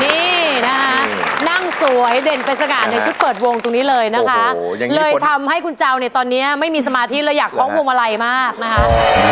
นี่นะคะนั่งสวยเด่นเป็นสง่าในชุดเปิดวงตรงนี้เลยนะคะเลยทำให้คุณเจ้าเนี่ยตอนนี้ไม่มีสมาธิเลยอยากคล้องพวงมาลัยมากนะคะ